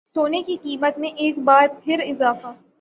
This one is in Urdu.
سونے کی قیمت میں ایک بار پھر اضافہ